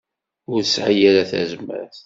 Ur tesɛi ara tazmert.